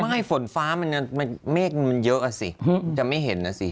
ไม่ฝนฟ้ามันเมฆมันเยอะอ่ะสิจะไม่เห็นนะสิ